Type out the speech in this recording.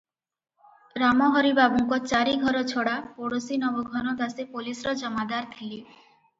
ରାମହରି ବାବୁଙ୍କ ଚାରି ଘର ଛଡ଼ା ପଡ଼ୋଶୀ ନବଘନ ଦାସେ ପୋଲିସର ଜମାଦାର ଥିଲେ ।